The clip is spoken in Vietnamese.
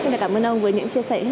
xin cảm ơn ông với những chia sẻ